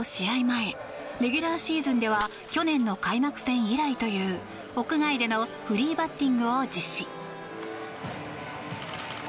前レギュラーシーズンでは去年の開幕戦以来という屋外でのフリーバッティングを実施。